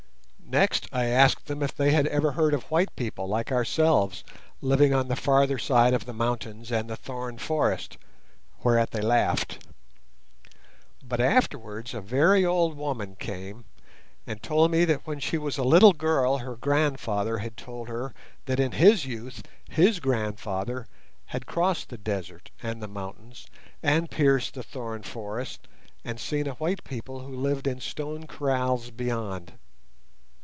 Next I asked them if they had ever heard of white people like ourselves living on the farther side of the mountains and the thorn forest, whereat they laughed. But afterwards a very old woman came and told me that when she was a little girl her grandfather had told her that in his youth his grandfather had crossed the desert and the mountains, and pierced the thorn forest, and seen a white people who lived in stone kraals beyond.